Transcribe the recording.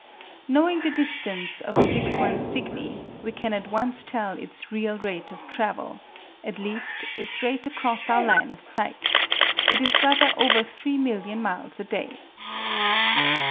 Knowing the distance of 61 Cygni, we can at once tell its real rate of travel at least, its rate across our line of sight: it is rather over three million miles a day.